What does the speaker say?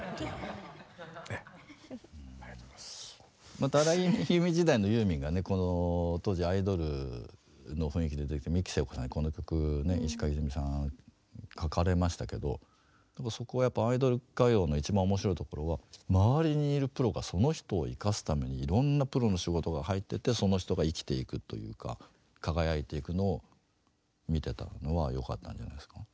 また荒井由実時代のユーミンがね当時アイドルの雰囲気で出てきた三木聖子さんにこの曲ね石川ひとみさん書かれましたけどそこはやっぱアイドル歌謡の一番面白いところは周りにいるプロがその人を生かすためにいろんなプロの仕事が入っててその人が生きていくというか輝いていくのを見てたのはよかったんじゃないですかね。